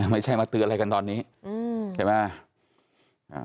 ไม่ใช่มาเตือนอะไรกันตอนนี้ใช่ไหม